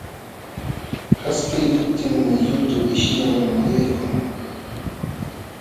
Qaspikuptinmi yutu sihñanman yaykun.